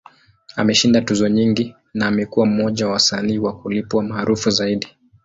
Ameshinda tuzo nyingi, na amekuwa mmoja wa wasanii wa kulipwa maarufu zaidi.